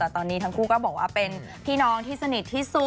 แต่ตอนนี้ทั้งคู่ก็บอกว่าเป็นพี่น้องที่สนิทที่สุด